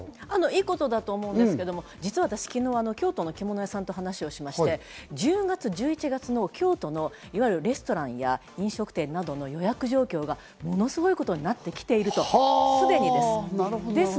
いいことだと思うんですけど、実は私、昨日、京都の着物屋さんと話しまして、１１月、１２月の京都のレストランなどの予約状況がものすごいことになってきているということなんです。